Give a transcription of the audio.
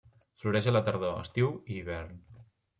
Floreix a la tardor, estiu i hivern.